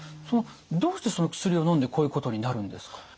どうしてその薬をのんでこういうことになるんですか？